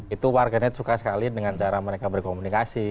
itu warganet suka sekali dengan cara mereka berkomunikasi